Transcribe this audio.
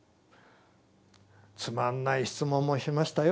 つまんない質問もしましたよ。